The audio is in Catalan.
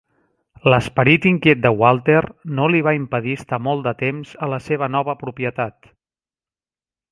L'esperit inquiet de Walther no li va impedir estar molt de temps a la seva nova propietat.